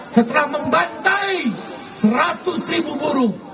setelah membantai seratus ribu buruh